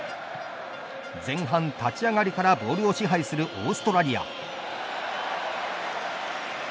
前半立ち上がりからボールを支配するオーストラリア。